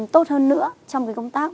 tốt hơn nữa trong cái công tác